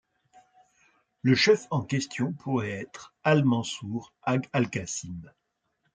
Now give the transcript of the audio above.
Le chef en question pourrait être Al-Mansour Ag Alkassim.